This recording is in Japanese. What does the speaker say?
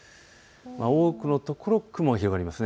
多くの所、雲が広がります。